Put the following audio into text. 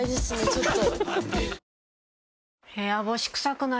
ちょっと。